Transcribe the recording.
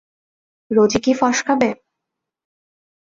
রোজই কি ফসকাবে?